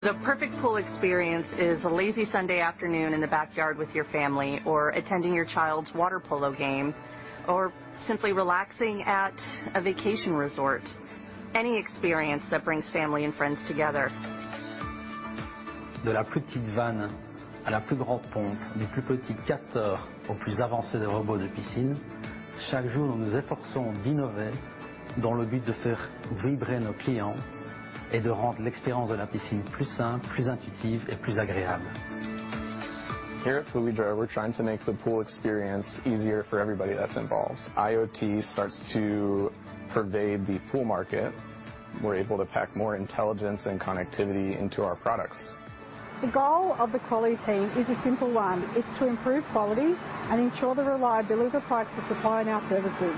The perfect pool experience is a lazy Sunday afternoon in the backyard with your family, or attending your child's water polo game, or simply relaxing at a vacation resort. Any experience that brings family and friends together. De la plus petite vanne à la plus grande pompe, du plus petit quatre heures au plus avancé des robots de piscine, chaque jour, nous nous efforçons d'innover dans le but de faire vibrer nos clients et de rendre l'expérience de la piscine plus simple, plus intuitive et plus agréable. Here at Fluidra, we're trying to make the pool experience easier for everybody that's involved. IoT starts to pervade the pool market. We're able to pack more intelligence and connectivity into our products. The goal of the quality team is a simple one. It's to improve quality and ensure the reliability of products we supply in our services,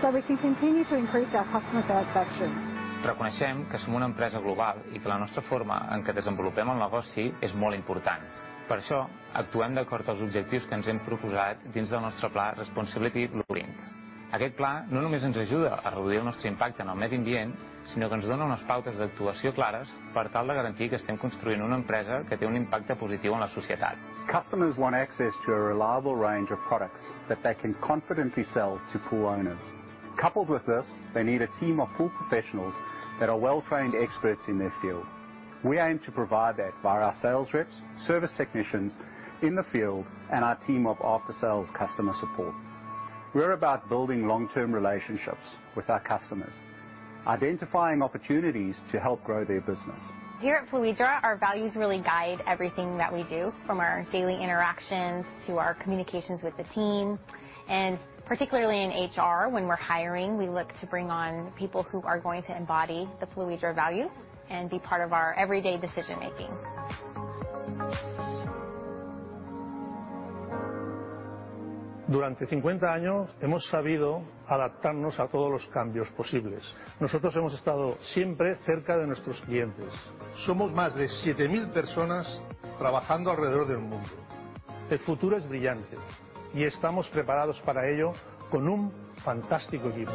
so we can continue to increase our customer satisfaction. Reconeixem que som una empresa global i que la nostra forma en què desenvolupem el negoci és molt important. Per això, actuem d'acord als objectius que ens hem proposat dins del nostre pla Responsibility Blueprint. Aquest pla no només ens ajuda a reduir el nostre impacte en el medi ambient, sinó que ens dona unes pautes d'actuació clares per tal de garantir que estem construint una empresa que té un impacte positiu en la societat. Customers want access to a reliable range of products that they can confidently sell to pool owners. Coupled with this, they need a team of pool professionals that are well-trained experts in their field. We aim to provide that via our sales reps, service technicians in the field, and our team of after-sales customer support. We're about building long-term relationships with our customers, identifying opportunities to help grow their business. Here at Fluidra, our values really guide everything that we do, from our daily interactions to our communications with the team. Particularly in HR, when we're hiring, we look to bring on people who are going to embody the Fluidra values and be part of our everyday decision-making. Durante 50 años hemos sabido adaptarnos a todos los cambios posibles. Nosotros hemos estado siempre cerca de nuestros clientes. Somos más de 7,000 personas trabajando alrededor del mundo. El futuro es brillante y estamos preparados para ello con un fantástico equipo.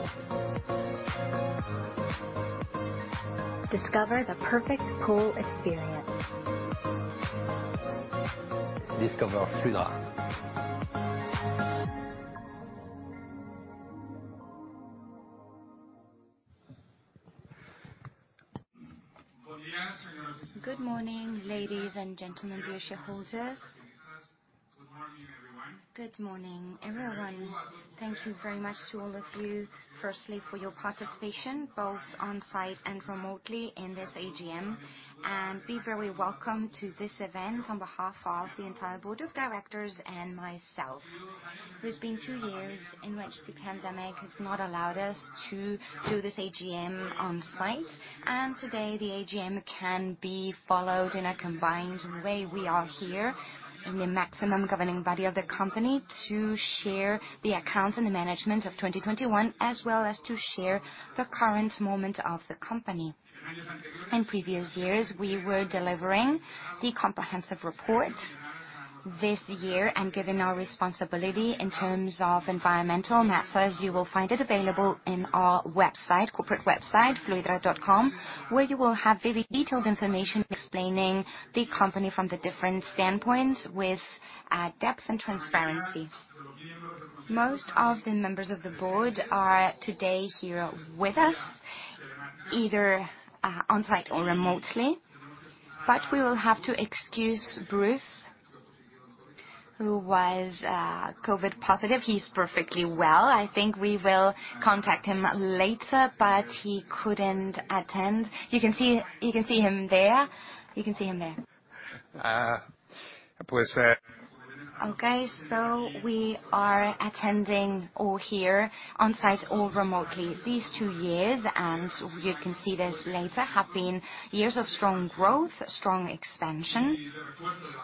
Discover the perfect pool experience. Discover Fluidra. Good morning, ladies and gentlemen, dear shareholders. Good morning, everyone. Thank you very much to all of you, firstly, for your participation, both on-site and remotely in this AGM. Be very welcome to this event on behalf of the entire board of directors and myself. It has been two years in which the pandemic has not allowed us to do this AGM on-site, and today the AGM can be followed in a combined way. We are here in the maximum governing body of the company to share the accounts and the management of 2021, as well as to share the current moment of the company. In previous years, we were delivering the comprehensive report. This year, given our responsibility in terms of environmental matters, you will find it available in our website, corporate website, fluidra.com, where you will have very detailed information explaining the company from the different standpoints with depth and transparency. Most of the members of the board are today here with us, either on-site or remotely, but we will have to excuse Bruce Brooks, who was COVID positive. He's perfectly well. I think we will contact him later, but he couldn't attend. You can see him there. Uh, Okay. We are attending all here on-site or remotely. These two years, and you can see this later, have been years of strong growth, strong expansion,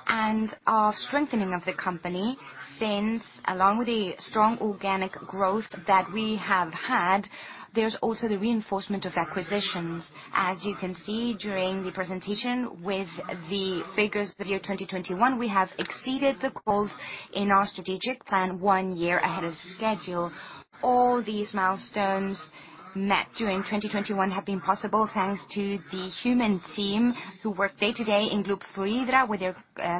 and of strengthening of the company since along with the strong organic growth that we have had, there's also the reinforcement of acquisitions. As you can see during the presentation with the figures for the year 2021, we have exceeded the goals in our strategic plan one year ahead of schedule. All these milestones met during 2021 have been possible thanks to the human team who work day to day in Group Fluidra with their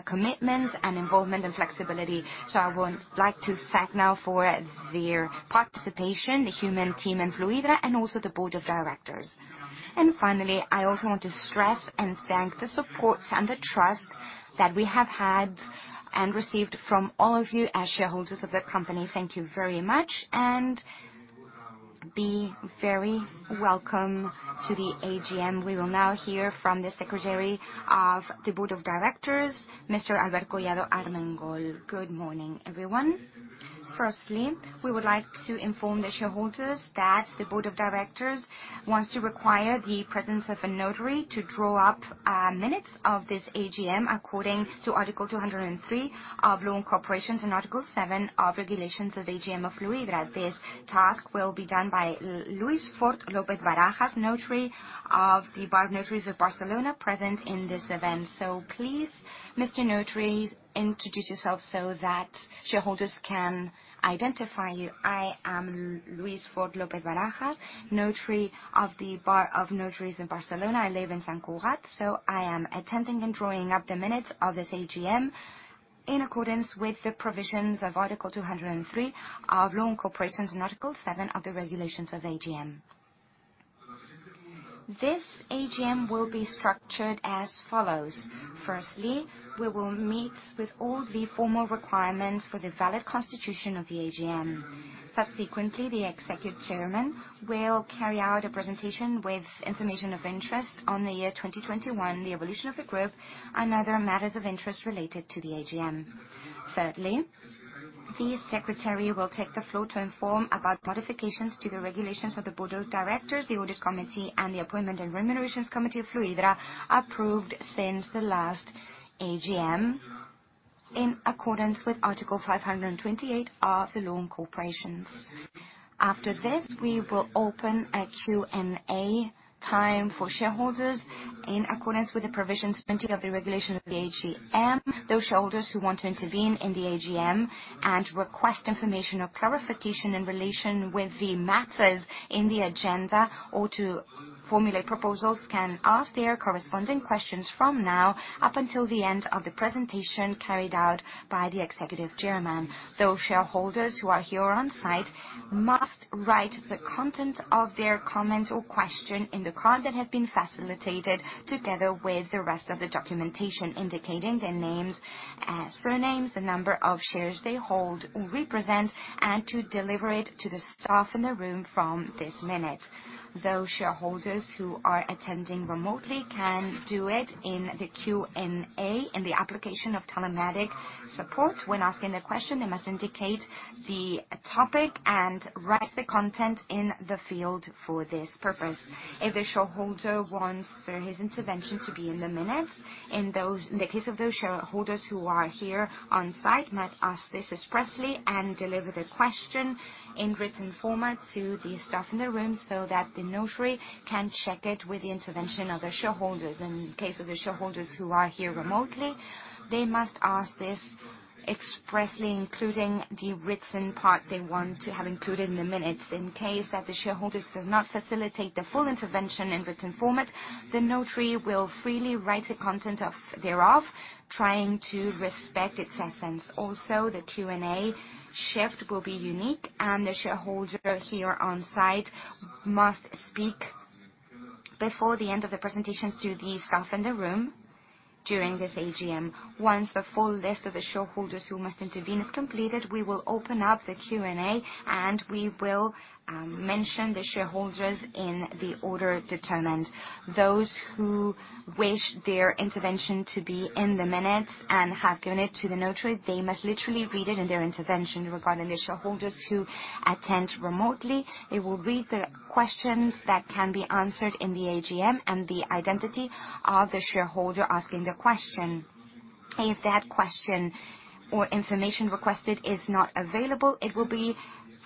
commitment and involvement and flexibility. I would like to thank now for their participation, the human team in Fluidra and also the board of directors. Finally, I also want to stress and thank the support and the trust that we have had and received from all of you as shareholders of the company. Thank you very much and be very welcome to the AGM. We will now hear from the Secretary of the Board of Directors, Mr. Alberto Collado Armengol. Good morning, everyone. Firstly, we would like to inform the shareholders that the board of directors wants to require the presence of a notary to draw up minutes of this AGM according to Article 203 of Law on Corporations and Article 7 of Regulations of AGM of Fluidra. This task will be done by Luis Fort López-Barajas, notary of the Bar of Notaries of Barcelona present in this event. Please, Mr. Notary, introduce yourself so that shareholders can identify you. I am Luis Fort López-Barajas, Notary of the Bar of Notaries of Barcelona. I live in Sant Cugat, so I am attending and drawing up the minutes of this AGM. In accordance with the provisions of Article 203 of Law on Corporations and Article 7 of the Regulations of AGM. This AGM will be structured as follows. Firstly, we will meet with all the formal requirements for the valid constitution of the AGM. Subsequently, the Executive Chairman will carry out a presentation with information of interest on the year 2021, the evolution of the group, and other matters of interest related to the AGM. Thirdly, the Secretary will take the floor to inform about modifications to the regulations of the Board of Directors, the Audit Committee, and the Appointment and Remuneration Committee of Fluidra approved since the last AGM in accordance with Article 528 of the Law on Corporations. After this, we will open a Q&A time for shareholders in accordance with the provisions 20 of the Regulation of the AGM. Those shareholders who want to intervene in the AGM and request information or clarification in relation with the matters in the agenda, or to formulate proposals, can ask their corresponding questions from now up until the end of the presentation carried out by the Executive Chairman. Those shareholders who are here on-site must write the content of their comment or question in the card that has been facilitated together with the rest of the documentation, indicating their names, surnames, the number of shares they hold or represent, and to deliver it to the staff in the room from this minute. Those shareholders who are attending remotely can do it in the Q&A in the application of telematic support. When asking the question, they must indicate the topic and write the content in the field for this purpose. If the shareholder wants for his intervention to be in the minutes, in the case of those shareholders who are here on-site, might ask this expressly and deliver the question in written format to the staff in the room so that the notary can check it with the intervention of the shareholders. In case of the shareholders who are here remotely, they must ask this expressly, including the written part they want to have included in the minutes. In case that the shareholder does not facilitate the full intervention in written format, the notary will freely write the content of thereof, trying to respect its essence. Also, the Q&A shift will be unique, and the shareholder here on-site must speak before the end of the presentations to the staff in the room during this AGM. Once the full list of the shareholders who must intervene is completed, we will open up the Q&A, and we will mention the shareholders in the order determined. Those who wish their intervention to be in the minutes and have given it to the notary, they must literally read it in their intervention. Regarding the shareholders who attend remotely, they will read the questions that can be answered in the AGM and the identity of the shareholder asking the question. If that question or information requested is not available, it will be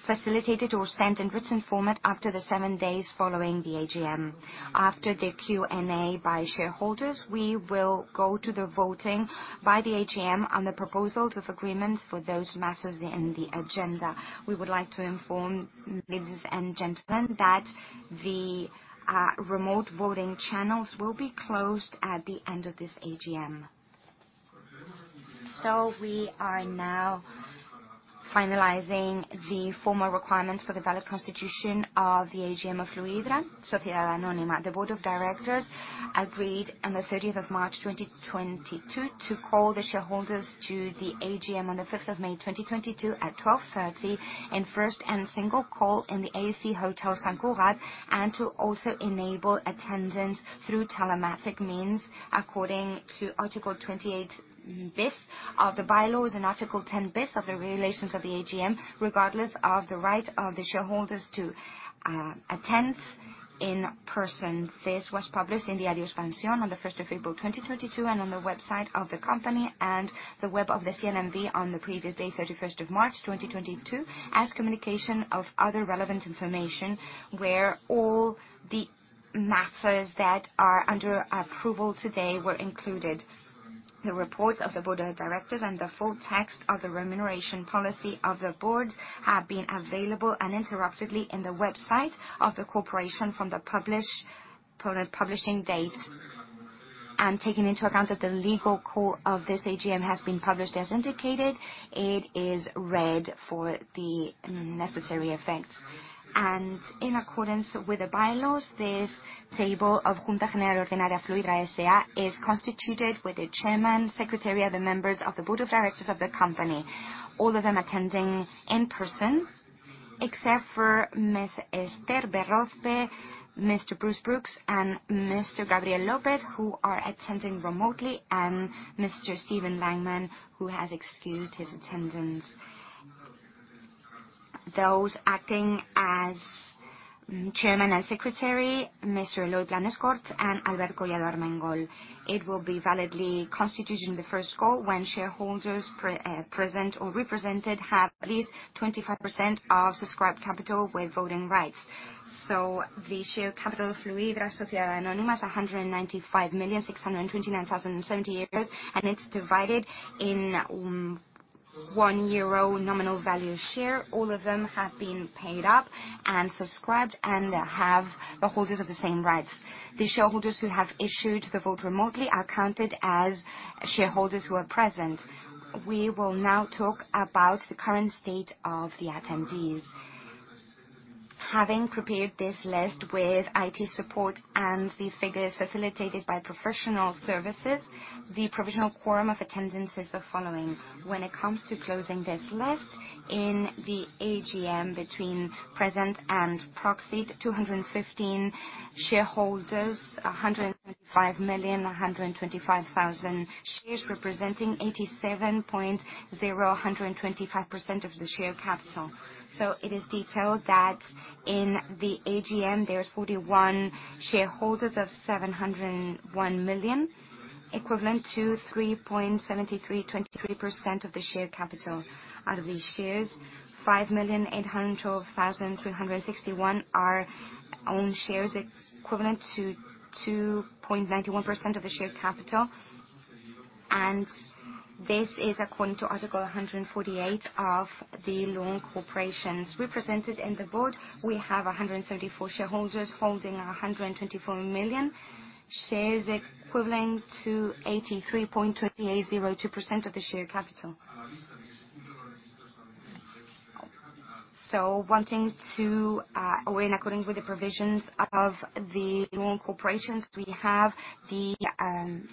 facilitated or sent in written format after the seven days following the AGM. After the Q&A by shareholders, we will go to the voting by the AGM on the proposals of agreements for those matters in the agenda. We would like to inform ladies and gentlemen that the remote voting channels will be closed at the end of this AGM. We are now finalizing the formal requirements for the valid constitution of the AGM of Fluidra, S.A. The Board of Directors agreed on the 13th of March, 2022 to call the shareholders to the AGM on the 5th of May, 2022 at 12:30 P.M. in first and single call in the AC Hotel Sant Cugat, and to also enable attendance through telematic means according to Article 28 of the bylaws and Article 10 of the regulations of the AGM, regardless of the right of the shareholders to attend in person. This was published in the Expansión on the first of April, 2022, and on the website of the company and the web of the CNMV on the previous day, 31 of March, 2022, as communication of other relevant information where all the matters that are under approval today were included. The reports of the Board of Directors and the full text of the remuneration policy of the board have been available uninterruptedly in the website of the corporation from the publishing date. Taking into account that the legal call of this AGM has been published as indicated, it is read for the necessary effects. In accordance with the bylaws, this table of Junta General Ordinaria Fluidra, S.A. is constituted with the Chairman, Secretary, and the members of the Board of Directors of the company, all of them attending in person, except for Ms. Esther Berrozpe, Mr. Bruce W. Brooks, and Mr. Gabriel López Escobar, who are attending remotely, and Mr. Steven Langman, who has excused his attendance. Those acting as Chairman and Secretary, Mr. Eloy Planes Corts and Alberto Collado Armengol. It will be validly constituted in the first call when shareholders present or represented have at least 25% of subscribed capital with voting rights. The share capital of Fluidra, S.A., is 195,629,070 euros, and it is divided into one euro nominal value shares. All of them have been paid up and subscribed, and the holders have the same rights. The shareholders who have issued the vote remotely are counted as shareholders who are present. We will now talk about the current state of the attendees. Having prepared this list with IT support and the figures facilitated by professional services, the provisional quorum of attendance is the following. When it comes to closing this list in the AGM between present and proxied, 215 shareholders, 125 million, 125,000 shares, representing 87.025% of the share capital. It is detailed that in the AGM there's 41 shareholders of 701 million, equivalent to 3.7323% of the share capital. Out of these shares, 5,812,361 are own shares equivalent to 2.91% of the share capital, and this is according to Article 148 of the Companies Act. Represented in the board, we have 174 shareholders holding 124 million shares equivalent to 83.2802% of the share capital. In accordance with the provisions of the Companies Act, we have the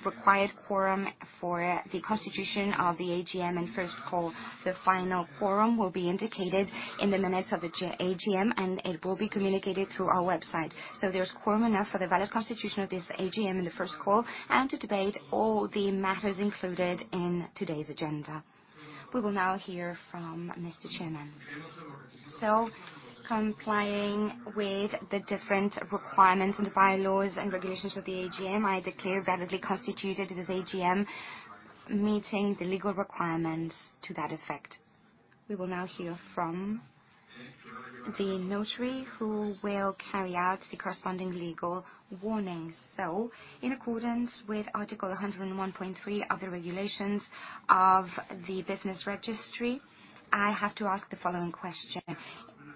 required quorum for the constitution of the AGM and first call. The final quorum will be indicated in the minutes of the AGM, and it will be communicated through our website. There is quorum enough for the valid constitution of this AGM in the first call and to debate all the matters included in today's agenda. We will now hear from Mr. Chairman. Complying with the different requirements and bylaws and regulations of the AGM, I declare validly constituted this AGM, meeting the legal requirements to that effect. We will now hear from the notary, who will carry out the corresponding legal warnings. In accordance with Article 101.3 of the regulations of the business registry, I have to ask the following question.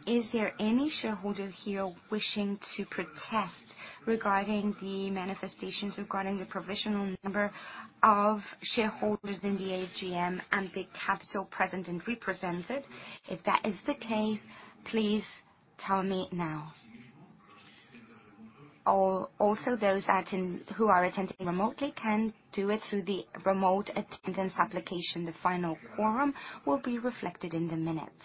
Is there any shareholder here wishing to protest regarding the manifestations regarding the provisional number of shareholders in the AGM and the capital present and represented? If that is the case, please tell me now. Also, those who are attending remotely can do it through the remote attendance application. The final quorum will be reflected in the minutes.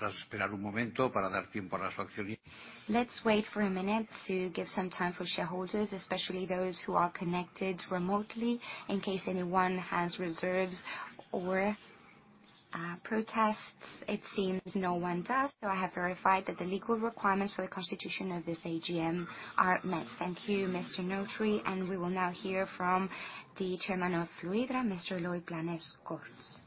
Let's wait for a minute to give some time for shareholders, especially those who are connected remotely, in case anyone has reserves or protests. It seems no one does, so I have verified that the legal requirements for the constitution of this AGM are met. Thank you, Mr. Notary. We will now hear from the Chairman of Fluidra, Mr. Eloy Planes Corts.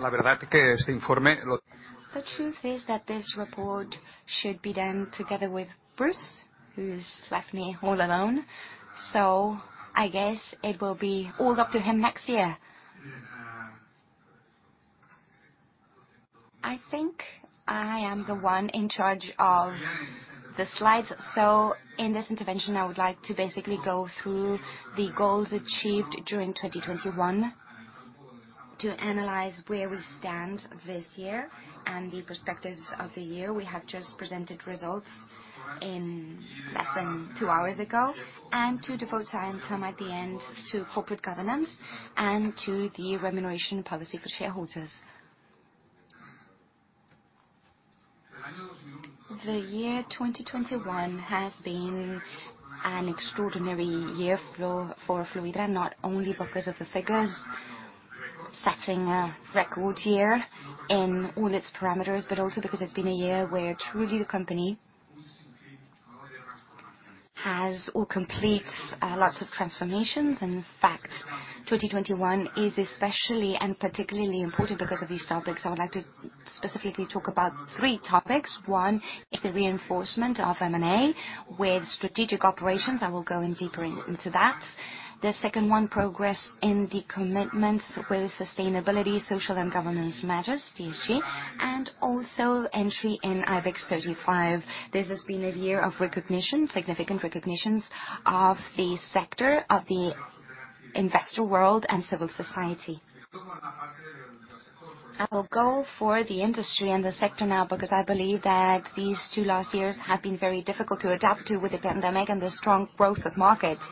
The truth is that this report should be done together with Bruce, who's left me all alone, so I guess it will be all up to him next year. I think I am the one in charge of the slides. In this intervention, I would like to basically go through the goals achieved during 2021 to analyze where we stand this year and the perspectives of the year. We have just presented results in less than two hours ago, and to devote time at the end to corporate governance and to the remuneration policy for shareholders. The year 2021 has been an extraordinary year for Fluidra, not only because of the figures, setting a record year in all its parameters, but also because it's been a year where truly the company has completed lots of transformations. In fact, 2021 is especially and particularly important because of these topics. I would like to specifically talk about three topics. One is the reinforcement of M&A with strategic operations. I will go in deeper into that. The second one, progress in the commitments with sustainability, social, and governance matters, ESG, and also entry in IBEX 35. This has been a year of recognition, significant recognitions of the sector, of the investor world, and civil society. I will go for the industry and the sector now because I believe that these two last years have been very difficult to adapt to with the pandemic and the strong growth of markets.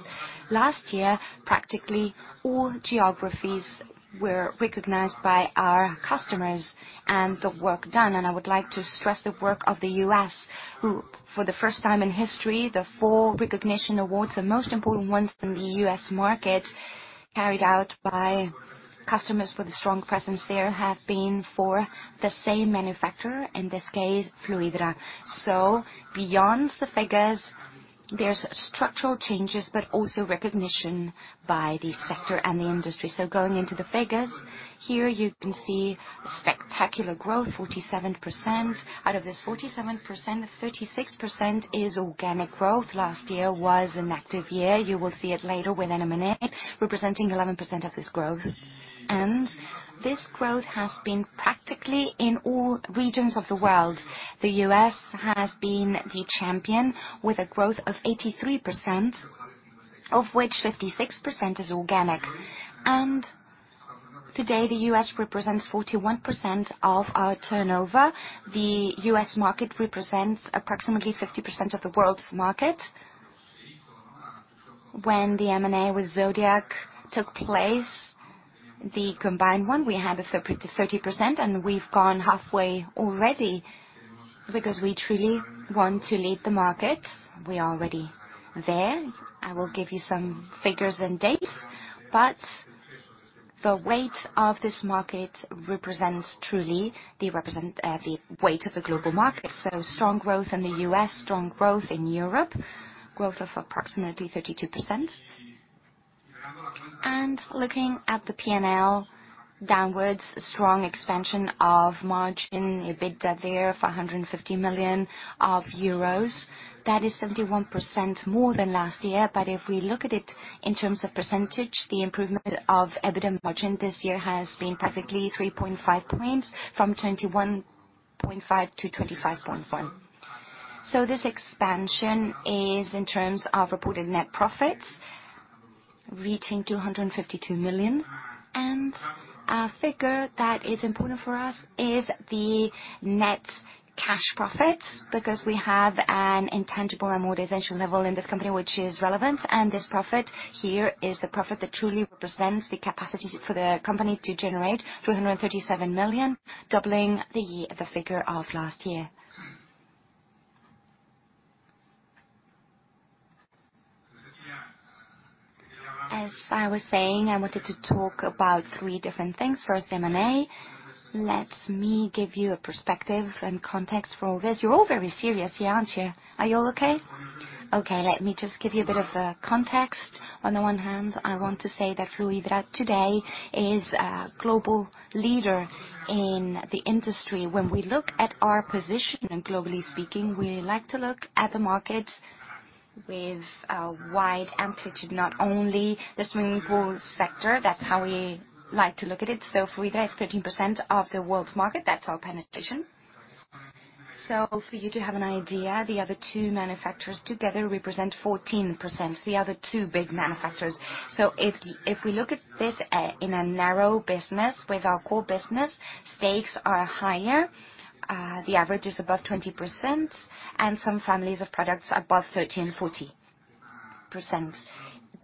Last year, practically all geographies were recognized by our customers and the work done, and I would like to stress the work of the U.S., who for the first time in history, the 4 recognition awards, the most important ones in the U.S. market, carried out by customers with a strong presence there, have been for the same manufacturer, in this case, Fluidra. Beyond the figures, there's structural changes, but also recognition by the sector and the industry. Going into the figures. Here you can see spectacular growth, 47%. Out of this 47%, 36% is organic growth. Last year was an active year. You will see it later within M&A, representing 11% of this growth. This growth has been practically in all regions of the world. The U.S. has been the champion with a growth of 83%, of which 56% is organic. Today, the U.S. represents 41% of our turnover. The U.S. market represents approximately 50% of the world's market. When the M&A with Zodiac took place, the combined one, we had a 30%, and we've gone halfway already because we truly want to lead the market. We are already there. I will give you some figures and dates, but the weight of this market represents truly the weight of the global market. Strong growth in the U.S., strong growth in Europe, growth of approximately 32%. Looking at the P&L downwards, strong expansion of margin, EBITDA there of 150 million euros. That is 71% more than last year. If we look at it in terms of percentage, the improvement of EBITDA margin this year has been practically 3.5 points from 21.5% to 25.1%. This expansion is in terms of reported net profits reaching 252 million. A figure that is important for us is the net cash profits, because we have an intangible amortization level in this company, which is relevant. This profit here is the profit that truly represents the capacity for the company to generate 337 million, doubling the figure of last year. As I was saying, I wanted to talk about three different things. First, M&A. Let me give you a perspective and context for all this. You're all very serious here, aren't you? Are you all okay? Okay, let me just give you a bit of context. On the one hand, I want to say that Fluidra today is a global leader in the industry. When we look at our position, and globally speaking, we like to look at the market with a wide amplitude, not only the swimming pool sector. That's how we like to look at it. Fluidra is 13% of the world's market. That's our penetration. For you to have an idea, the other two manufacturers together represent 14%, the other two big manufacturers. If we look at this in a narrow business with our core business, stakes are higher. The average is above 20%, and some families of products above 30% and 40%.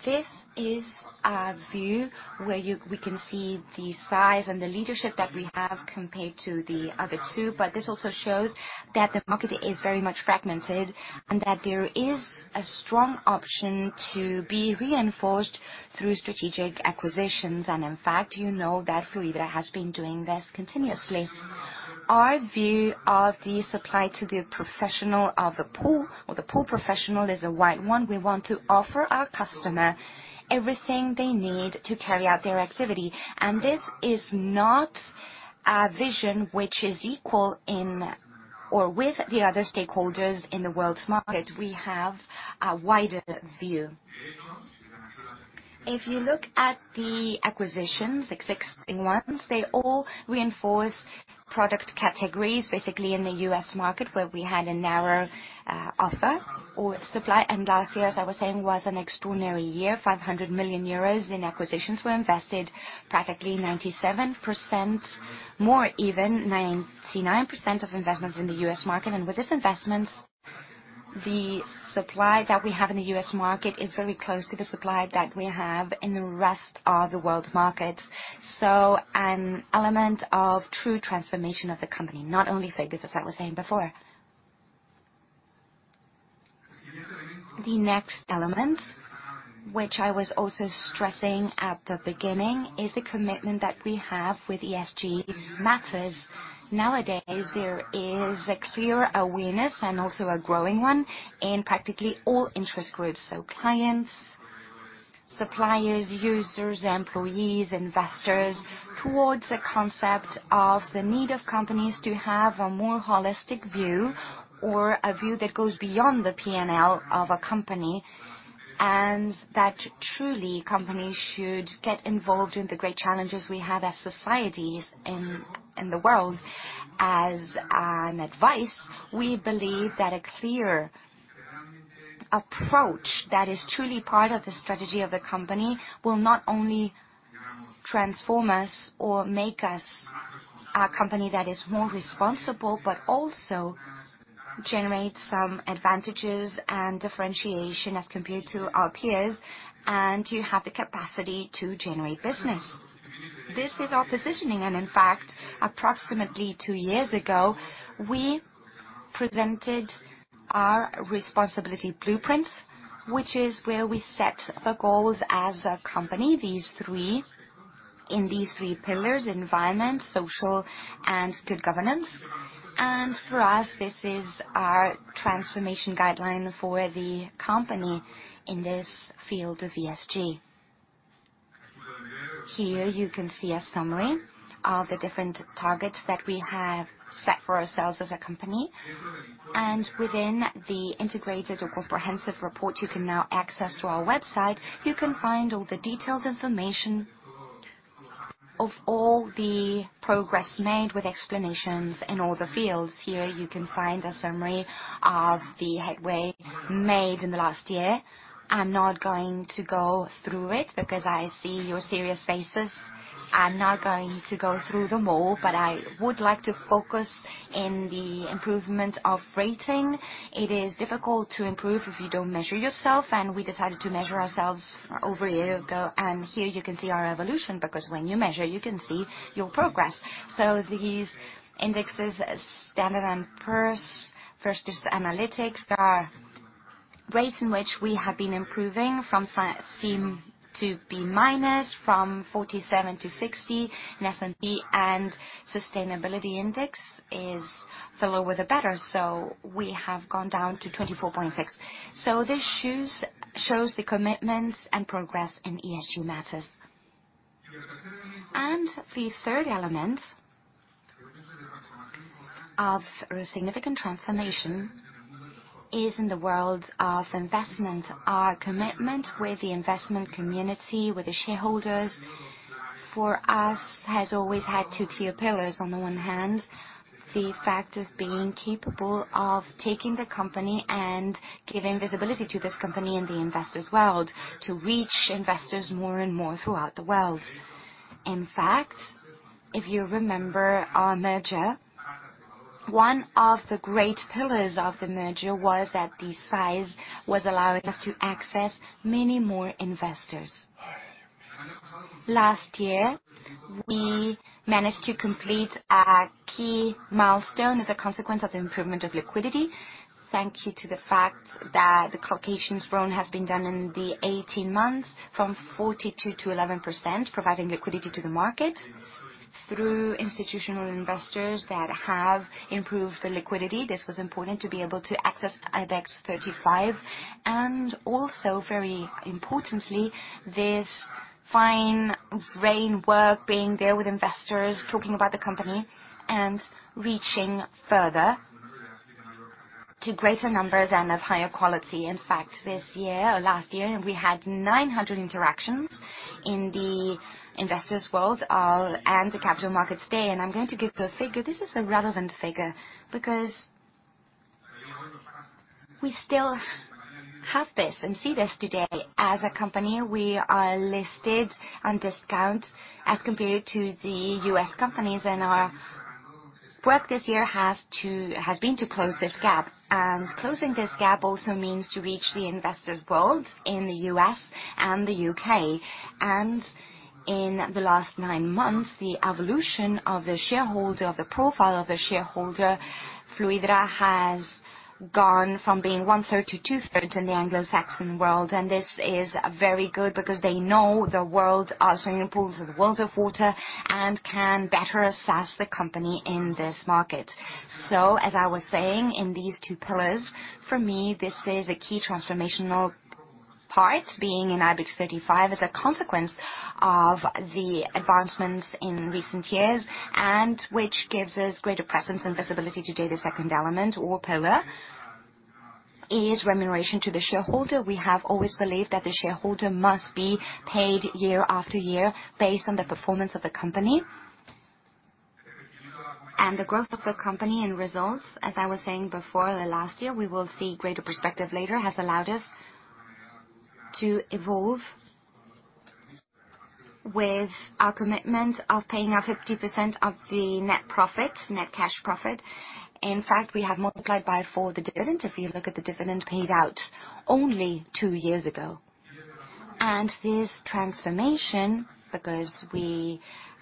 This is a view where we can see the size and the leadership that we have compared to the other two, but this also shows that the market is very much fragmented and that there is a strong option to be reinforced through strategic acquisitions. In fact, you know that Fluidra has been doing this continuously. Our view of the supply to the professional of the pool or the pool professional is a wide one. We want to offer our customer everything they need to carry out their activity. This is not a vision which is equal in or with the other stakeholders in the world's market. We have a wider view. If you look at the acquisitions, existing ones, they all reinforce product categories, basically in the U.S. market, where we had a narrow offer or supply. Last year, as I was saying, was an extraordinary year. 500 million euros in acquisitions were invested, practically 97%, more even 99% of investments in the U.S. market. With these investments, the supply that we have in the U.S. market is very close to the supply that we have in the rest of the world market. An element of true transformation of the company, not only figures, as I was saying before. The next element, which I was also stressing at the beginning, is the commitment that we have with ESG matters. Nowadays, there is a clear awareness and also a growing one in practically all interest groups, so clients, suppliers, users, employees, investors, towards the concept of the need of companies to have a more holistic view or a view that goes beyond the P&L of a company. That truly, companies should get involved in the great challenges we have as societies in the world. As an advice, we believe that a clear approach that is truly part of the strategy of the company will not only transform us or make us a company that is more responsible, but also generate some advantages and differentiation as compared to our peers and to have the capacity to generate business. This is our positioning and in fact, approximately two years ago, we presented our Responsibility Blueprint, which is where we set the goals as a company. These three pillars, environment, social, and good governance. For us, this is our transformation guideline for the company in this field of ESG. Here you can see a summary of the different targets that we have set for ourselves as a company. Within the integrated or comprehensive report, you can now access to our website. You can find all the detailed information of all the progress made with explanations in all the fields. Here you can find a summary of the headway made in the last year. I'm not going to go through it because I see your serious faces. I'm not going to go through them all, but I would like to focus in the improvement of rating. It is difficult to improve if you don't measure yourself, and we decided to measure ourselves over a year ago. Here you can see our evolution, because when you measure, you can see your progress. These indexes, Standard & Poor's, Vigeo Eiris, Sustainalytics, are ratings in which we have been improving from -47 to 60 in S&P, and Sustainalytics is the lower, the better. We have gone down to 24.6. This shows the commitments and progress in ESG matters. The third element of a significant transformation is in the world of investment. Our commitment with the investment community, with the shareholders, for us, has always had two clear pillars. On the one hand, the fact of being capable of taking the company and giving visibility to this company in the investors world, to reach investors more and more throughout the world. In fact, if you remember our merger, one of the great pillars of the merger was that the size was allowing us to access many more investors. Last year, we managed to complete a key milestone as a consequence of the improvement of liquidity. Thanks to the fact that the lock-up reduction has been done in the 18 months from 42% to 11%, providing liquidity to the market through institutional investors that have improved the liquidity. This was important to be able to access IBEX 35 and also, very importantly, this fine-grained work, being there with investors, talking about the company and reaching further to greater numbers and of higher quality. In fact, this year or last year, we had 900 interactions in the investors world, and the Capital Markets Day. I'm going to give a figure. This is a relevant figure because we still have this and see this today. As a company, we are listed at a discount as compared to the U.S. companies. Our work this year has been to close this gap. Closing this gap also means to reach the investor world in the U.S. and the U.K. In the last nine months, the evolution of the shareholder, the profile of the shareholder, Fluidra has gone from being 1/3 to 2/3 in the Anglo-Saxon world. This is very good because they know the world, swimming pools and the worlds of water and can better assess the company in this market. As I was saying, in these two pillars, for me, this is a key transformational part, being in IBEX 35 as a consequence of the advancements in recent years and which gives us greater presence and visibility. Today, the second element or pillar is remuneration to the shareholder. We have always believed that the shareholder must be paid year after year based on the performance of the company. The growth of the company and results, as I was saying before, the last year, we will see greater perspective later, has allowed us to evolve with our commitment of paying out 50% of the net profit, cash net profit. In fact, we have multiplied by 4 the dividend, if you look at the dividend paid out only 2 years ago. This transformation, because we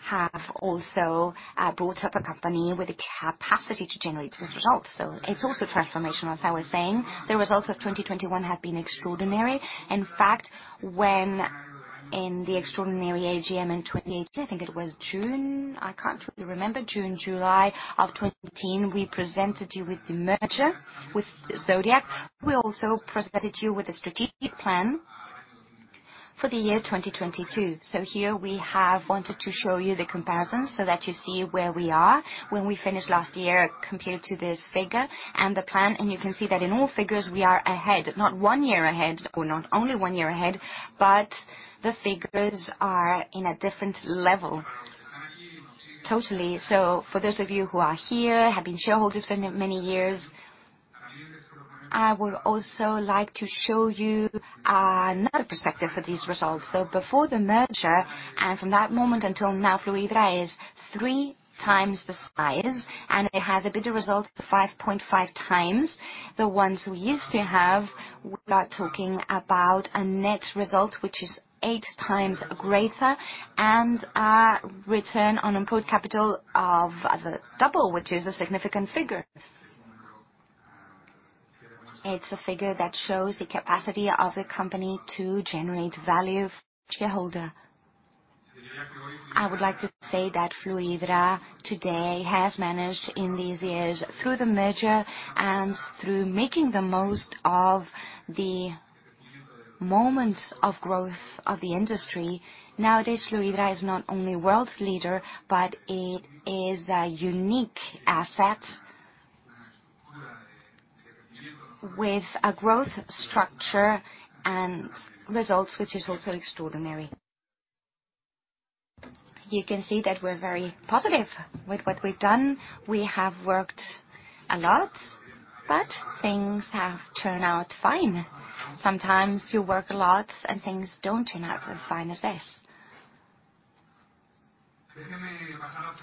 have also brought up a company with the capacity to generate these results. It's also transformational, as I was saying. The results of 2021 have been extraordinary. In fact, when in the extraordinary AGM in 2018, I think it was June, I can't really remember, June, July of 2018, we presented you with the merger with Zodiac. We also presented you with a strategic plan for the year 2022. Here we have wanted to show you the comparison so that you see where we are when we finished last year compared to this figure and the plan. You can see that in all figures we are ahead, not one year ahead or not only one year ahead, but the figures are in a different level, totally. For those of you who are here, have been shareholders for many years, I would also like to show you another perspective for these results. Before the merger and from that moment until now, Fluidra is 3x the size and it has EBITDA results 5.5x the ones we used to have. We are talking about a net result which is 8x greater and a return on employed capital of the double, which is a significant figure. It's a figure that shows the capacity of the company to generate value for shareholder. I would like to say that Fluidra today has managed in these years, through the merger and through making the most of the moments of growth of the industry. Nowadays, Fluidra is not only world's leader, but it is a unique asset with a growth structure and results, which is also extraordinary. You can see that we're very positive with what we've done. We have worked a lot, but things have turned out fine. Sometimes you work a lot, and things don't turn out as fine as this.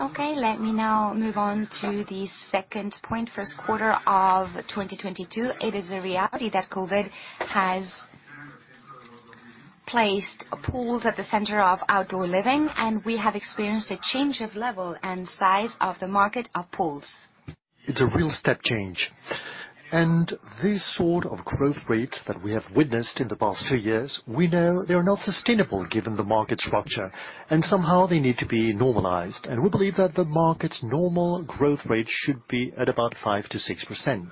Okay, let me now move on to the second point, Q1 of 2022. It is a reality that COVID has placed pools at the center of outdoor living, and we have experienced a change of level and size of the market of pools. It's a real step change. This sort of growth rates that we have witnessed in the past two years, we know they are not sustainable given the market structure, and somehow they need to be normalized. We believe that the market's normal growth rate should be at about 5%-6%.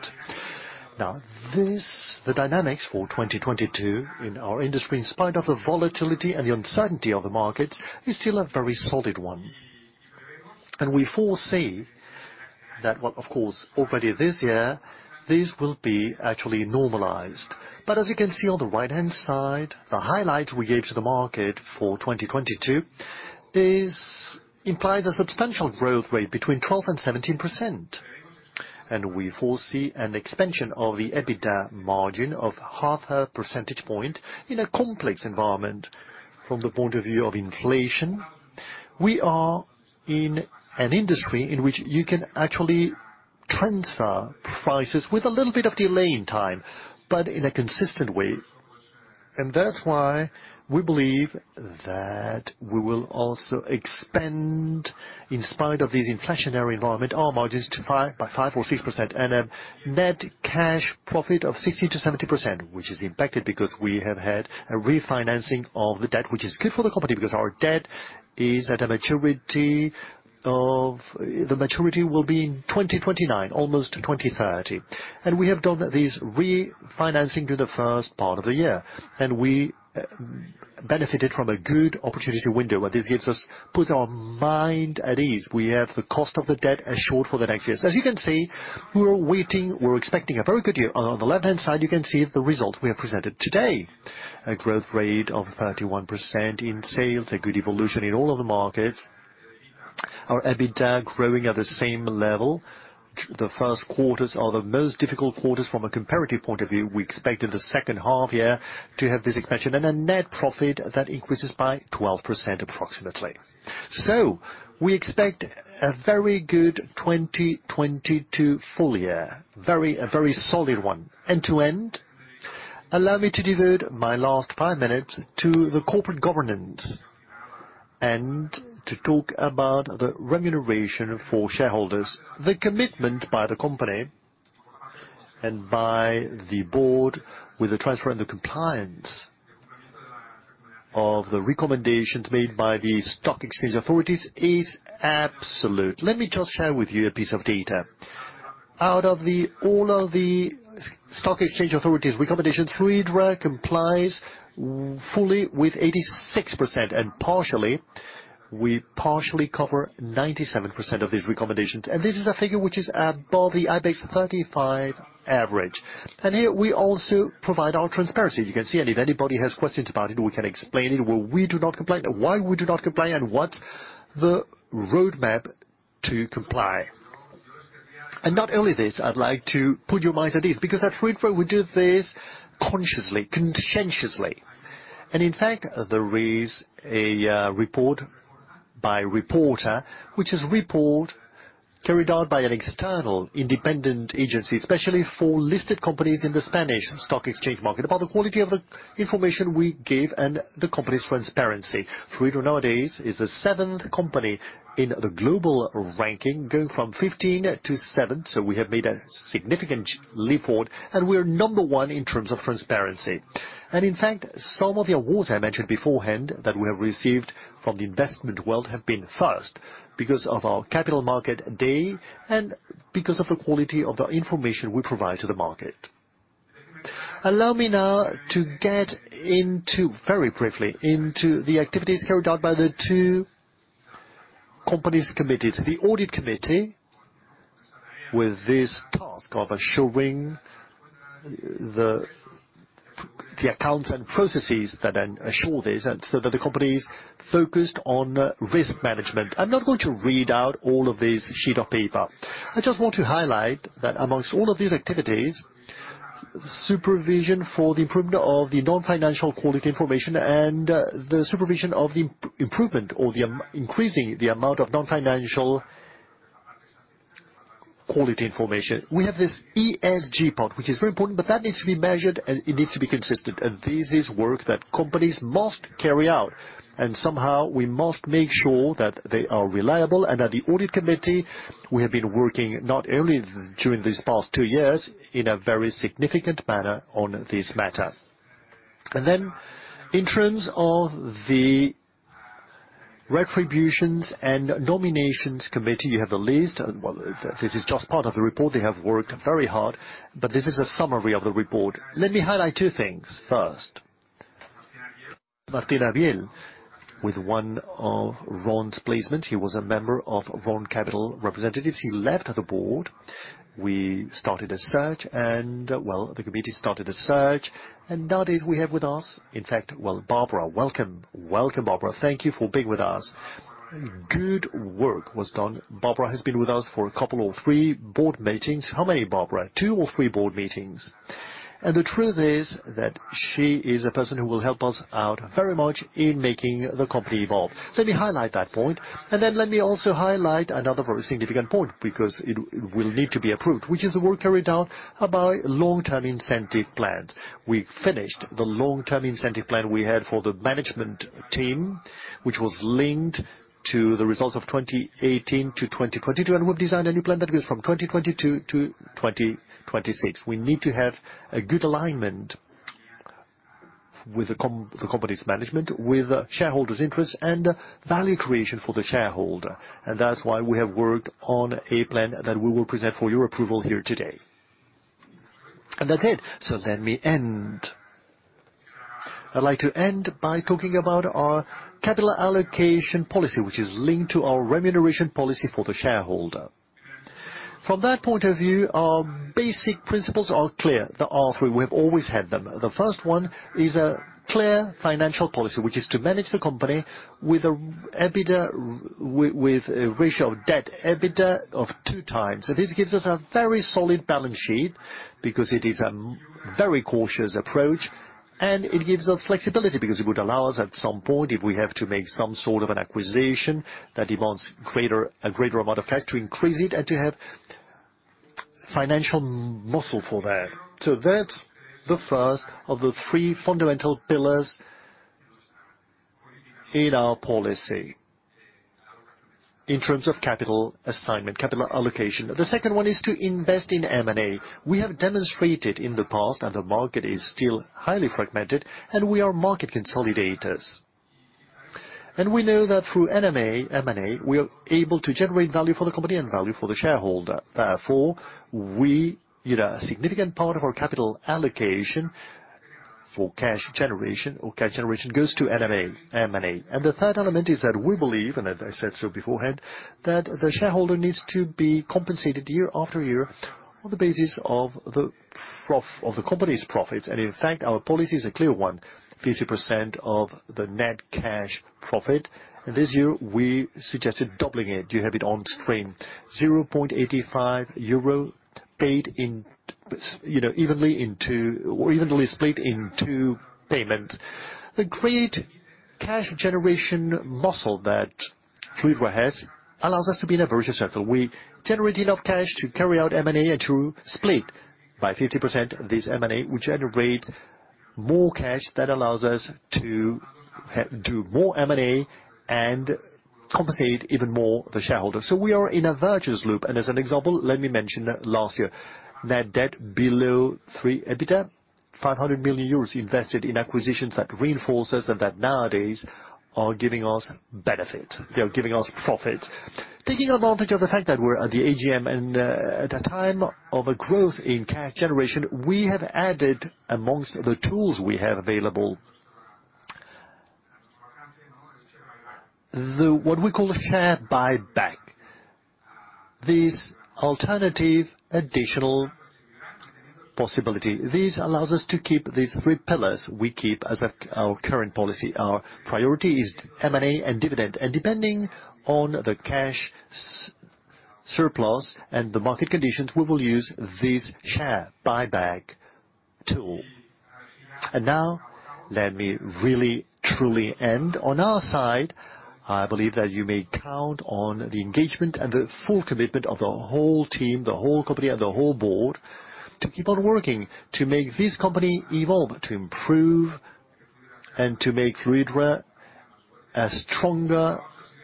Now, this, the dynamics for 2022 in our industry, in spite of the volatility and the uncertainty of the market, is still a very solid one. We foresee that, of course, already this year, this will be actually normalized. As you can see on the right-hand side, the highlight we gave to the market for 2022 is, implies a substantial growth rate between 12% and 17%. We foresee an expansion of the EBITDA margin of half a percentage point in a complex environment. From the point of view of inflation, we are in an industry in which you can actually transfer prices with a little bit of delay in time, but in a consistent way. That's why we believe that we will also expand, in spite of this inflationary environment, our margins to 5 by 5 or 6%. A net cash profit of 60% to 70%, which is impacted because we have had a refinancing of the debt, which is good for the company because our debt is at a maturity of 2029, almost 2030. We have done this refinancing in the first part of the year, and we benefited from a good opportunity window. What this gives us puts our mind at ease. We have the cost of the debt assured for the next years. As you can see, we're waiting. We're expecting a very good year. On the left-hand side, you can see the result we have presented today. A growth rate of 31% in sales, a good evolution in all of the markets. Our EBITDA growing at the same level. The Q1 are the most difficult quarters from a comparative point of view. We expect in the H2 year to have this expansion and a net profit that increases by 12% approximately. We expect a very good 2022 full year, a very solid one. To end, allow me to devote my last 5 minutes to the corporate governance and to talk about the remuneration for shareholders. The commitment by the company and by the board with the transfer and the compliance of the recommendations made by the stock exchange authorities is absolute. Let me just share with you a piece of data. All of the stock exchange authorities recommendations, Fluidra complies fully with 86%, and partially, we cover 97% of these recommendations. This is a figure which is above the IBEX 35 average. Here we also provide our transparency. You can see, and if anybody has questions about it, we can explain it, where we do not comply, why we do not comply, and what's the roadmap to comply. Not only this, I'd like to put your minds at ease, because at Fluidra, we do this consciously, conscientiously. In fact, there is a report by Reporta, which is a report carried out by an external independent agency, especially for listed companies in the Spanish stock exchange market, about the quality of the information we give and the company's transparency. Fluidra nowadays is the 7th company in the global ranking, going from 15 to 7. We have made a significant leap forward, and we are number 1 in terms of transparency. In fact, some of the awards I mentioned beforehand that we have received from the investment world have been first because of our Capital Markets Day and because of the quality of the information we provide to the market. Allow me now to get into, very briefly, into the activities carried out by the two committees. The audit committee, with this task of assuring the accounts and processes that ensure this, and so that the company is focused on risk management. I'm not going to read out all of this sheet of paper. I just want to highlight that among all of these activities, supervision for the improvement of the non-financial quality information and the supervision of the improvement or increasing the amount of non-financial quality information. We have this ESG part, which is very important, but that needs to be measured, and it needs to be consistent. This is work that companies must carry out, and somehow we must make sure that they are reliable. At the Audit Committee, we have been working not only during these past two years in a very significant manner on this matter. Then in terms of the Remuneration and Nominations Committee, you have the list. Well, this is just part of the report. They have worked very hard, but this is a summary of the report. Let me highlight two things. First, Martín Ávila, with one of Rhône's placement, he was a member of Rhône Capital Representatives. He left the board. We started a search and, well, the committee started a search. Nowadays we have with us, in fact. Well, Barbara, welcome. Welcome, Barbara. Thank you for being with us. Good work was done. Barbara has been with us for a couple or three board meetings. How many, Barbara? Two or three board meetings. The truth is that she is a person who will help us out very much in making the company evolve. Let me highlight that point, and then let me also highlight another very significant point, because it will need to be approved, which is the work carried out about long-term incentive plans. We finished the long-term incentive plan we had for the management team, which was linked to the results of 2018 to 2022, and we've designed a new plan that goes from 2022 to 2026. We need to have a good alignment with the company's management, with shareholders' interest and value creation for the shareholder. That's why we have worked on a plan that we will present for your approval here today. That's it. Let me end. I'd like to end by talking about our capital allocation policy, which is linked to our remuneration policy for the shareholder. From that point of view, our basic principles are clear. There are three. We have always had them. The first one is a clear financial policy, which is to manage the company with an EBITDA with a ratio of debt to EBITDA of 2x. This gives us a very solid balance sheet because it is a very cautious approach, and it gives us flexibility because it would allow us, at some point, if we have to make some sort of an acquisition that demands a greater amount of cash to increase it and to have financial muscle for that. That's the first of the three fundamental pillars in our policy in terms of capital assignment, capital allocation. The second one is to invest in M&A. We have demonstrated in the past, and the market is still highly fragmented, and we are market consolidators. We know that through M&A we are able to generate value for the company and value for the shareholder. Therefore, we, you know, a significant part of our capital allocation for cash generation goes to M&A. The third element is that we believe, and I said so beforehand, that the shareholder needs to be compensated year after year on the basis of the company's profits. In fact, our policy is a clear one, 50% of the net cash profit. This year we suggested doubling it. You have it on screen, 0.85 euro paid in, you know, evenly into or evenly split in two payment. The great cash generation muscle that Fluidra has allows us to be in a virtuous circle. We generate enough cash to carry out M&A and to split by 50% this M&A. We generate more cash that allows us to do more M&A and compensate even more the shareholder. We are in a virtuous loop. As an example, let me mention last year, net debt below 3x EBITDA, 500 million euros invested in acquisitions that reinforces and that nowadays are giving us benefit. They are giving us profit. Taking advantage of the fact that we're at the AGM and at a time of a growth in cash generation, we have added amongst the tools we have available, what we call a share buyback. This alternative additional possibility. This allows us to keep these three pillars we keep as our current policy. Our priority is M&A and dividend. Depending on the cash surplus and the market conditions, we will use this share buyback tool. Now let me really, truly end. On our side, I believe that you may count on the engagement and the full commitment of the whole team, the whole company, and the whole board to keep on working, to make this company evolve, to improve, and to make Fluidra a stronger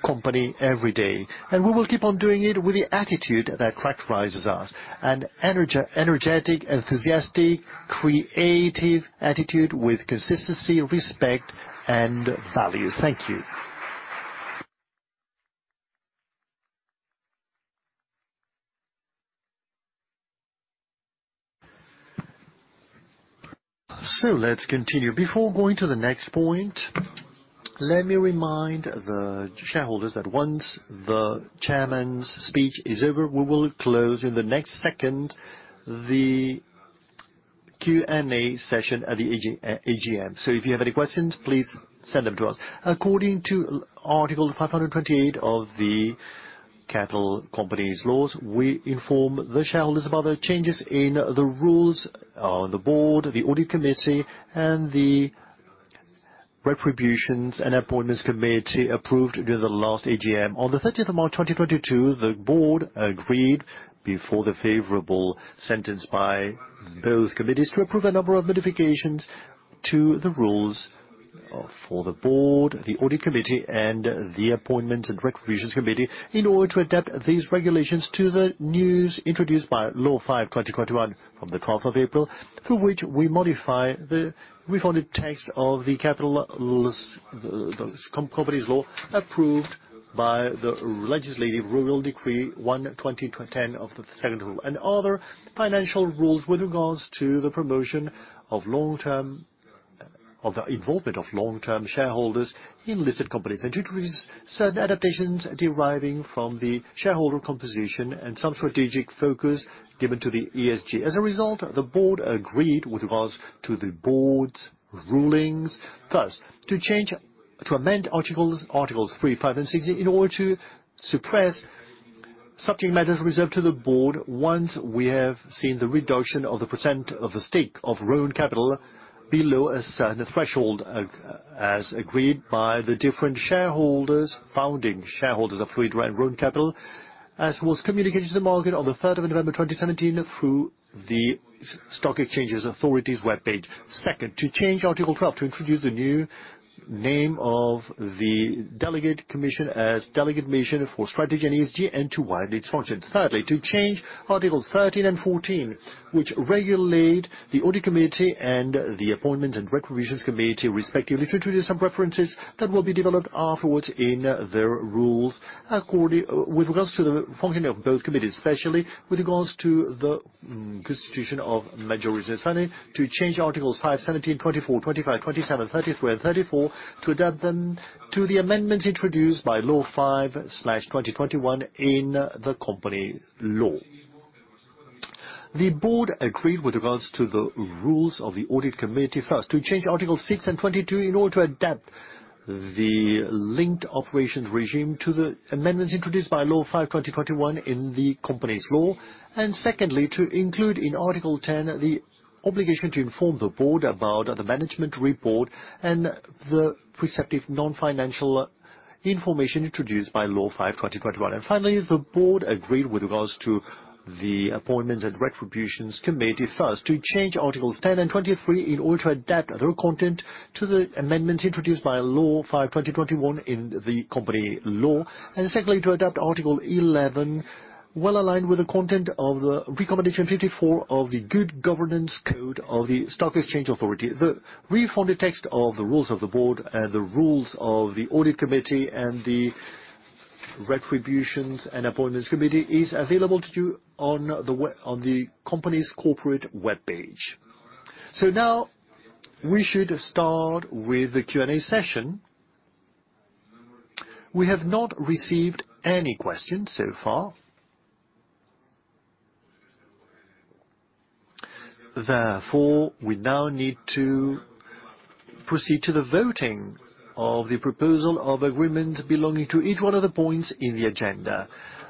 company every day. We will keep on doing it with the attitude that characterizes us, an energetic, enthusiastic, creative attitude with consistency, respect, and values. Thank you. Let's continue. Before going to the next point, let me remind the shareholders that once the chairman's speech is over, we will close in the next second, the Q&A session at the AGM. If you have any questions, please send them to us. According to Article 528 of the Capital Companies Act, we inform the shareholders about the changes in the rules of the board, the audit committee, and the remunerations and appointments committee approved during the last AGM. On the 30th of March 2022, the board agreed with the favorable opinion by both committees to approve a number of modifications to the rules for the board, the audit committee, and the appointments and remunerations committee in order to adapt these regulations to the new provisions introduced by Law 5/2021 of the 12th of April, through which the text of the Capital Companies law approved by the Royal Legislative Decree 1/2010 of 2 July and other financial rules with regards to the promotion of long-term involvement of shareholders in listed companies. To introduce certain adaptations deriving from the shareholder composition and some strategic focus given to the ESG. As a result, the board agreed with regards to the board's rulings, thus to amend articles 3, 5 and 6 in order to suppress subject matters reserved to the board once we have seen the reduction of the % of the stake of own capital below a certain threshold as agreed by the different shareholders, founding shareholders of Fluidra own capital, as was communicated to the market on the third of November 2017 through the CNMV's web page. Second, to change Article 12 to introduce the new name of the delegate commission as Delegate Commission for Strategy and ESG, and to widen its functions. Thirdly, to change articles 13 and 14, which regulate the audit committee and the appointments and remunerations committee, respectively, to introduce some references that will be developed afterwards in the rules with regards to the functioning of both committees, especially with regards to the constitution of majorities. Finally, to change articles 5, 17, 24, 25, 27, 33 and 34 to adapt them to the amendments introduced by Law 5/2021 in the Companies Act. The board agreed with regards to the rules of the audit committee first, to change Article 6 and 22 in order to adapt the linked operations regime to the amendments introduced by Law 5/2021 in the Companies Act, and secondly, to include in Article 10 the obligation to inform the board about the management report and the respective non-financial information introduced by Law 5/2021. Finally, the board agreed with regards to the Appointments and Remunerations Committee. First, to change articles 10 and 23 in order to adapt their content to the amendments introduced by Law 5/2021 in the Companies Act. Secondly, to adapt Article 11 well aligned with the content of the recommendation 54 of the Good Governance Code of Listed Companies. The reformed text of the rules of the board and the rules of the Audit Committee and the Remunerations and Appointments Committee is available to you on the company's corporate webpage. Now we should start with the Q&A session. We have not received any questions so far. Therefore, we now need to proceed to the voting of the proposal of agreements belonging to each one of the points in the agenda.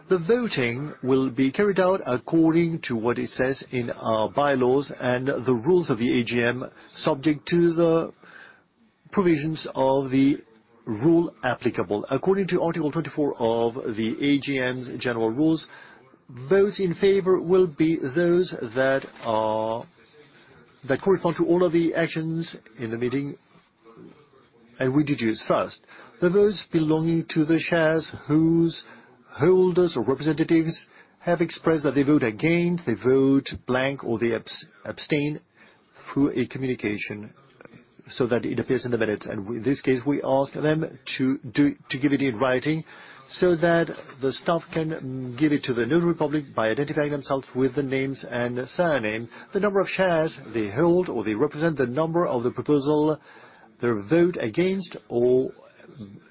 The voting will be carried out according to what it says in our bylaws and the rules of the AGM, subject to the provisions of the rules applicable. According to Article 24 of the AGM's general rules, those in favor will be those that correspond to all of the shares in the meeting, and we deduct first, that those belonging to the shares whose holders or representatives have expressed that they vote against, they vote blank or they abstain through a communication so that it appears in the minutes. In this case, we ask them to give it in writing so that the staff can give it to the notary public by identifying themselves with the name and surname, the number of shares they hold, or they represent the number of the proposal, their vote against, or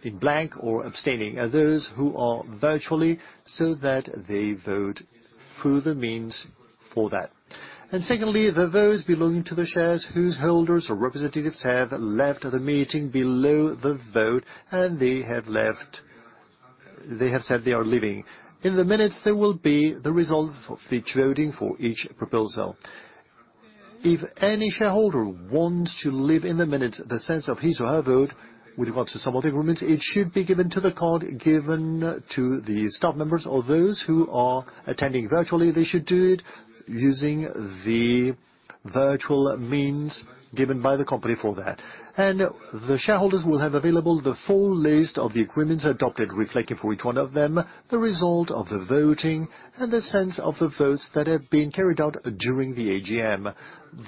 in blank or abstaining. Those who are virtually so that they vote through the means for that. Secondly, that those belonging to the shares whose holders or representatives have left the meeting before the vote and they have left, they have said they are leaving. In the minutes, there will be the results of each voting for each proposal. If any shareholder wants to leave in the minutes the sense of his or her vote with regards to some of the agreements, it should be given to the card given to the staff members. Or those who are attending virtually, they should do it using the virtual means given by the company for that. The shareholders will have available the full list of the agreements adopted, reflecting for each one of them the result of the voting and the sense of the votes that have been carried out during the AGM.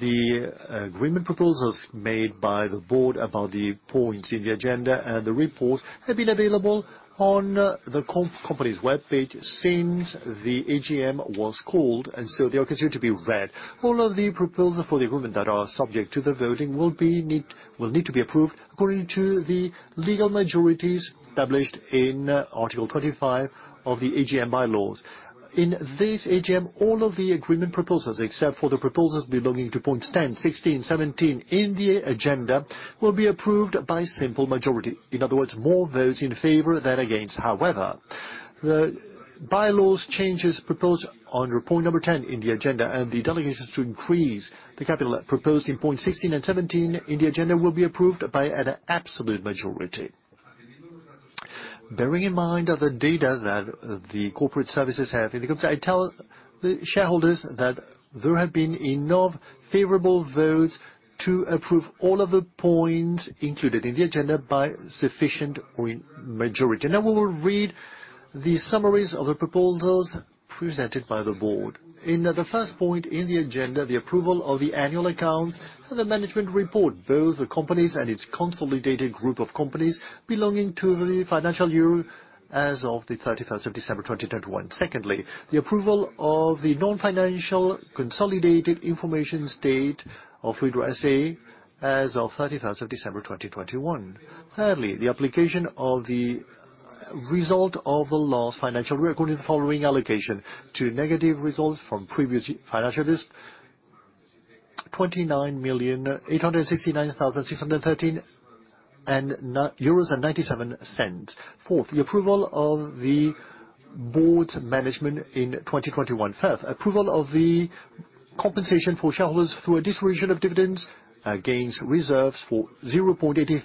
The agreement proposals made by the board about the points in the agenda and the reports have been available on the company's webpage since the AGM was called, and so they are considered to be read. All of the proposals for the agreement that are subject to the voting will need to be approved according to the legal majorities published in Article 25 of the AGM bylaws. In this AGM, all of the agreement proposals, except for the proposals belonging to point 10, 16, 17 in the agenda, will be approved by simple majority. In other words, more votes in favor than against. However, the bylaws changes proposed under point number 10 in the agenda and the delegations to increase the capital proposed in point 16 and 17 in the agenda will be approved by an absolute majority. Bearing in mind the data that the corporate services have in the group, I tell the shareholders that there have been enough favorable votes to approve all of the points included in the agenda by sufficient or in majority. Now we will read the summaries of the proposals presented by the board. In the first point in the agenda, the approval of the annual accounts and the management report, both the company and its consolidated group of companies belonging to the financial year as of the 31st of December 2021. Secondly, the approval of the non-financial consolidated information statement of Fluidra, S.A. as of 31st of December 2021. Thirdly, the application of the result of the last financial year, according to the following allocation to negative results from previous financial years. EUR 29,869,613.09. Fourth, the approval of the board management in 2021. Fifth, approval of the compensation for shareholders through a distribution of dividends against reserves for 0.85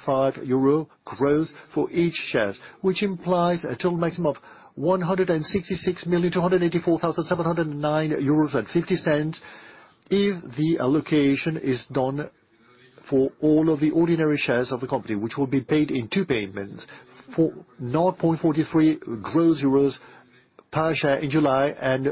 euros for each share, which implies a total maximum of 166,284,709.50 euros if the allocation is done for all of the ordinary shares of the company, which will be paid in two payments. For 0.43 euros per share in July and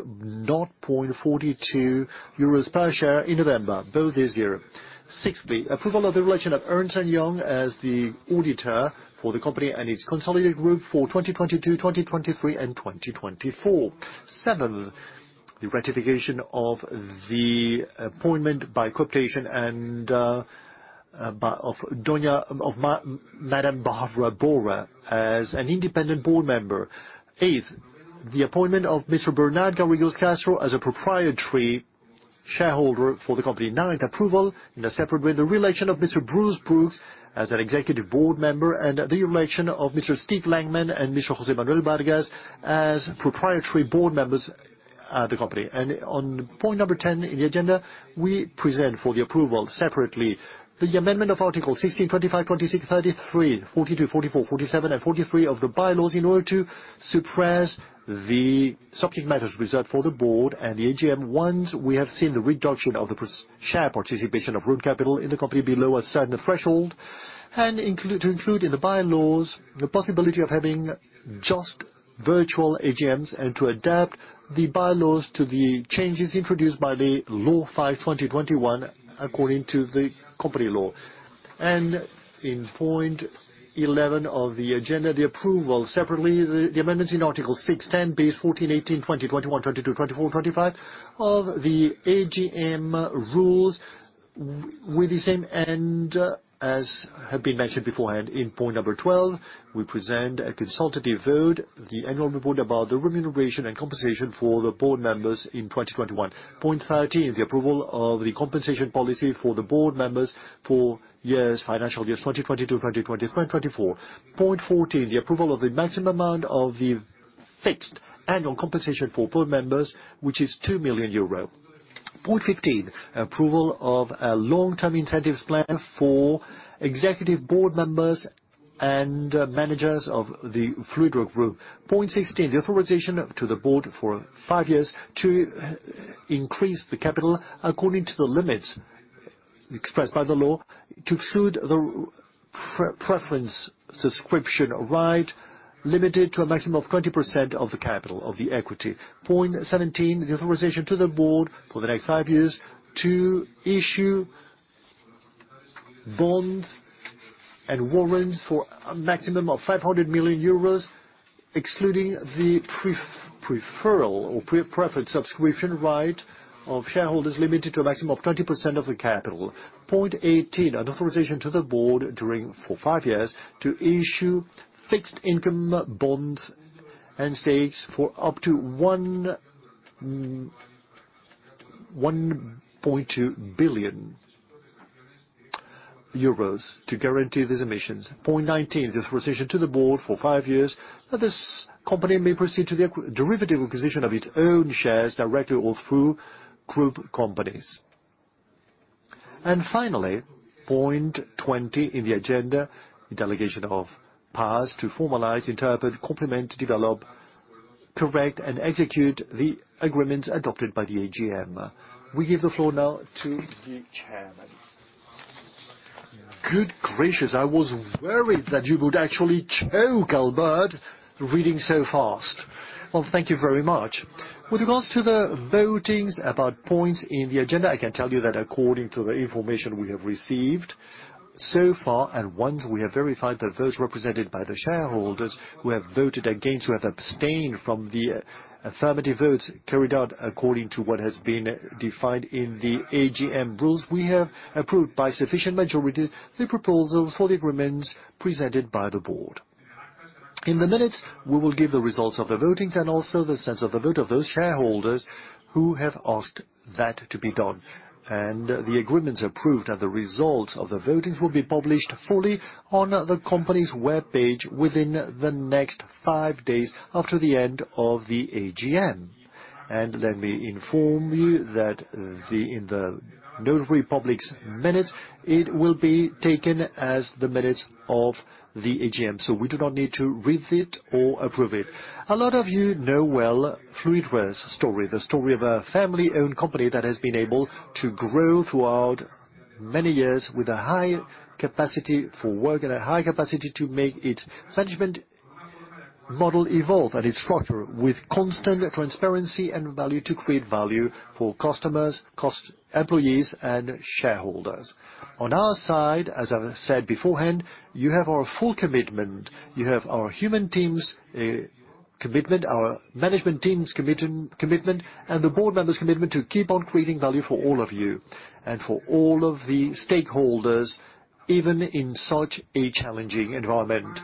0.42 euros per share in November, both this year. Sixth, the approval of the election of Ernst & Young as the auditor for the company and its consolidated group for 2022, 2023, and 2024. Seven, the ratification of the appointment by co-optation of Barbara Borra as an independent board member. Eighth, the appointment of Mr. Bernat Garrigós Castro as a proprietary shareholder for the company. Ninth, approval in a separate way, the election of Mr. Bruce Brooks as an executive board member and the election of Mr. Steve Langman and Mr. José Manuel Vargas as proprietary board members, the company. On point number 10 in the agenda, we present for the approval separately the amendment of Article 16, 25, 26, 33, 42, 44, 47, and 43 of the bylaws in order to suppress the subject matters reserved for the board and the AGM ones we have seen the reduction of the share participation of Rhône Capital in the company below a certain threshold. To include in the bylaws the possibility of having just virtual AGMs and to adapt the bylaws to the changes introduced by the Law 5/2021 according to the company law. In point 11 of the agenda, the approval separately of the amendments in Article 6, 10, 14, 18, 20, 21, 22, 24, 25 of the AGM rules with the same end as have been mentioned beforehand. In point number 12, we present a consultative vote, the annual report about the remuneration and compensation for the board members in 2021. Point 13, the approval of the compensation policy for the board members for years, financial years 2022, 2023, 2024. Point 14, the approval of the maximum amount of the fixed annual compensation for board members, which is 2 million euros. Point 15, approval of a long-term incentives plan for executive board members and managers of the Fluidra Group. Point 16, the authorization to the board for 5 years to increase the capital according to the limits expressed by the law to exclude the pre-emptive subscription right, limited to a maximum of 20% of the capital of the equity. Point seventeen, the authorization to the board for the next five years to issue bonds and warrants for a maximum of 500 million euros, excluding the preferential or pre-emptive subscription right of shareholders limited to a maximum of 20% of the capital. Point eighteen, an authorization to the board for five years to issue fixed income bonds and stakes for up to 1.2 billion euros to guarantee these emissions. Point nineteen, the authorization to the board for five years that this company may proceed to the acquisition or derivative acquisition of its own shares directly or through group companies. Finally, point twenty in the agenda, the delegation of powers to formalize, interpret, complement, develop, correct, and execute the agreements adopted by the AGM. We give the floor now to the chairman. Good gracious, I was worried that you would actually choke, Albert, reading so fast. Well, thank you very much. With regards to the voting about points in the agenda, I can tell you that according to the information we have received so far, and once we have verified the votes represented by the shareholders who have voted against, who have abstained from the affirmative votes carried out according to what has been defined in the AGM rules, we have approved by sufficient majorities the proposals for the agreements presented by the board. In the minutes, we will give the results of the voting and also the sense of the vote of those shareholders who have asked that to be done. The agreements approved and the results of the voting will be published fully on the company's webpage within the next five days after the end of the AGM. Let me inform you that in the Notary Public's minutes, it will be taken as the minutes of the AGM, so we do not need to read it or approve it. A lot of you know well Fluidra's story, the story of a family-owned company that has been able to grow throughout many years with a high capacity for work and a high capacity to make its management model evolve and its structure with constant transparency and value to create value for customers, employees, and shareholders. On our side, as I've said beforehand, you have our full commitment. You have our human team's commitment, our management team's commitment, and the board members' commitment to keep on creating value for all of you and for all of the stakeholders, even in such a challenging environment.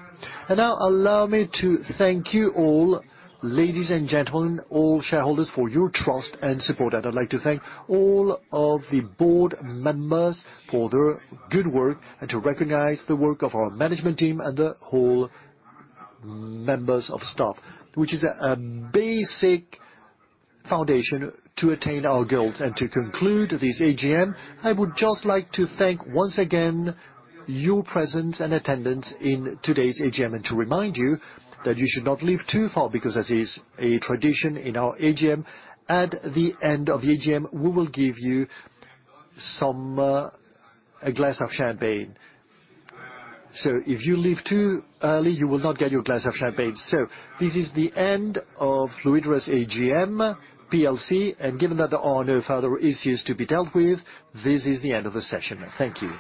Now allow me to thank you all, ladies and gentlemen, all shareholders, for your trust and support. I'd like to thank all of the board members for their good work and to recognize the work of our management team and the whole members of staff, which is a basic foundation to attain our goals. To conclude this AGM, I would just like to thank once again your presence and attendance in today's AGM and to remind you that you should not leave too far, because as is a tradition in our AGM, at the end of the AGM, we will give you a glass of champagne. If you leave too early, you will not get your glass of champagne. This is the end of Fluidra's AGM, and given that there are no further issues to be dealt with, this is the end of the session. Thank you.